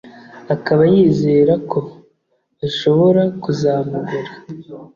akaba yizera ko bashobora kuzamugura